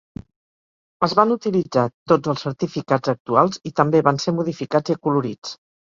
Es van utilitzar tots els certificats actuals i també van ser modificats i acolorits.